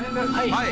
「はい」。